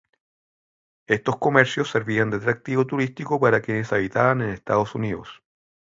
Estos comercios servían de atractivo turístico para quienes habitaban en Estados Unidos.